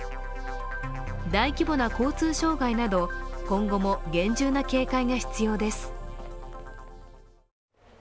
大規模な交通障害など今後も厳重な警戒が必要です。